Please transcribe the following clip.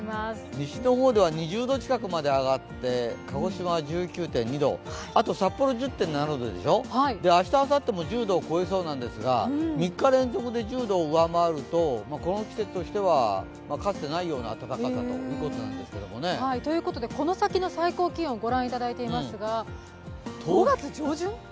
西の方では２０度近くまで上がって鹿児島は１９．２度、札幌１０．７度でしょ明日、あさっても１０度を超えそうなんですが、３日連続で１０度を上回るとこの季節としてはかつてないような暖かさということなんですよね。ということでこの先の最高気温ご覧いただいていますが５月上旬？